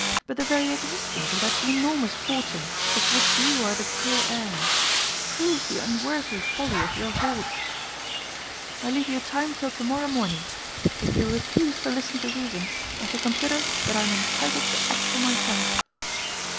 But the very exist ence of that enormous fortune, of which you are the co heir, proves the unworthy folly of your hoards. I leave you t^e till to morrow morning. If you refuse to listen to reason, I shall consider that I am entitled to act for myself."